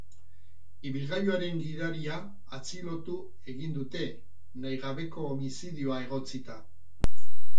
Ibilgailuaren gidaria atxilotu egin dute, nahigabeko homizidioa egotzita.